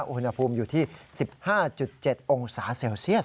อุณหภูมิอยู่ที่๑๕๗องศาเซลเซียส